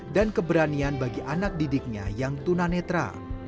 dan keberanian bagi anak didiknya yang tunanetra